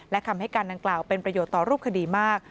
และคำให้การดังกล่าวเป็นประโยชน์ต่อรูปคดีมาก